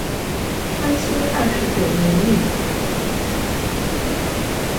康熙二十九年立。